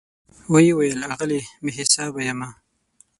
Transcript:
وی ویل آغلې , بي حساب یمه